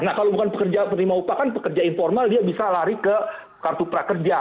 nah kalau bukan pekerja penerima upah kan pekerja informal dia bisa lari ke kartu prakerja